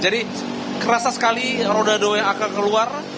jadi terasa sekali roda dua yang akan keluar